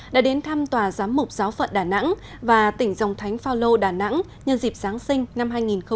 đã đến thăm tòa giám mục giáo phận đà nẵng và tỉnh dòng thánh pha lô đà nẵng nhân dịp giáng sinh năm hai nghìn một mươi chín